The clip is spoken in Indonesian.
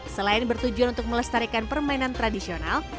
selain bertujuan untuk melestarikan permainan tradisional